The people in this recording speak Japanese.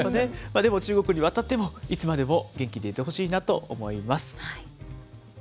でも中国に渡っても、いつまでも元気でいてほしいなと思います。